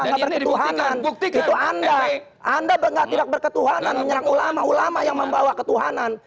anda berketuhanan itu andai anda anda dengar tidak berketuhanan menyerang ulama ulama yang membawa ketuhanan